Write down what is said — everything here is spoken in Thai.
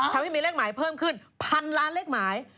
ทำให้มีเลขหมายเพิ่มขึ้นพันล้านเลขหมาย